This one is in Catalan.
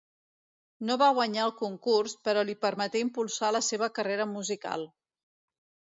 No va guanyar el concurs però li permeté impulsar la seva carrera musical.